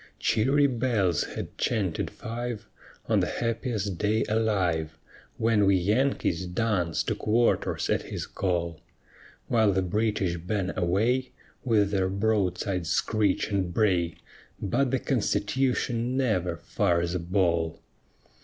Cheery bells had chanted five On the happiest day alive When we Yankees dance to quarters at his call; While the British bang away With their broadsides' screech and bray; But the Constitution never fires a ball.